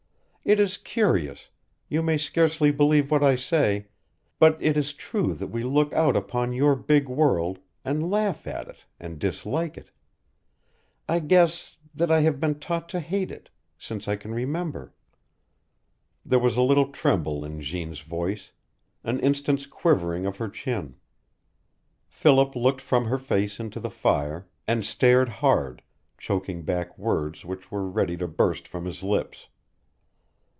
It is curious you may scarcely believe what I say but it is true that we look out upon your big world and laugh at it and dislike it. I guess that I have been taught to hate it since I can remember." There was a little tremble in Jeanne's voice, an instant's quivering of her chin. Philip looked from her face into the fire, and stared hard, choking back words which were ready to burst from his lips.